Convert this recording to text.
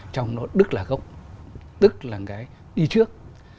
trong đó đức là gốc tức là cái đi trước